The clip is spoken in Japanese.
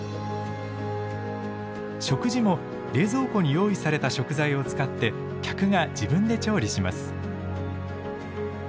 食事も冷蔵庫に用意された食材を使って客が自分で調理します。